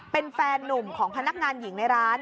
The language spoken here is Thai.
เป็นแฟนนุ่มของพนักงานหญิงในร้าน